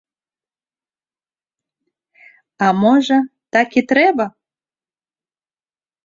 А, можа, так і трэба?